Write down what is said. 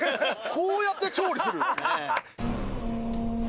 こうやって調理する。